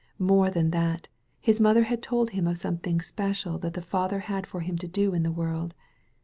More than that, his mother had told him of some thing special that the Father had for him to do in the world.